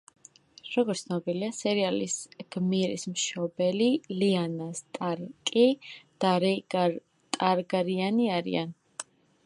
როგორც ცნობილია, სერიალის გმირის მშობლები ლიანა სტარკი და რეიგარ ტარგარიანი არიან.